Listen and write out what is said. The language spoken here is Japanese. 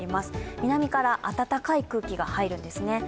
南から暖かい空気が入るんですね。